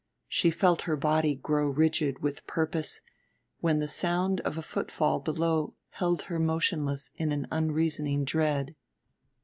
She felt her body grow rigid with purpose when the sound of a footfall below held her motionless in an unreasoning dread.